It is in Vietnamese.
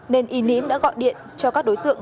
nên y ním đã gọi điện cho các đối tượng